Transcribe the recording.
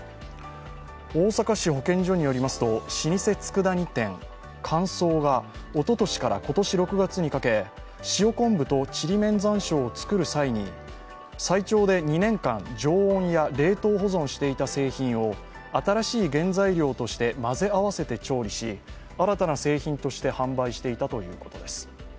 大阪市保健所によりますと、老舗つくだ煮店、神宗がおととしから今年６月にかけ、塩昆布とちりめん山椒を作る際に最長で２年間常温や冷凍保存していた製品を新しい原材料として混ぜ合わせて調理し、新たな製品として販売していたということです。